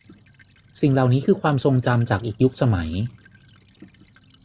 สิ่งเหล่านี้คือความทรงจำจากอีกยุคสมัย